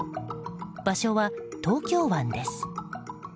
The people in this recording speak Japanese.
場所は東京湾です。